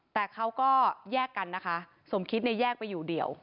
แต่เขาก็แยกกันนะคะสมคิดเนี่ยแยกไปอยู่เดียว